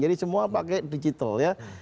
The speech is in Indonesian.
jadi semua pakai digital ya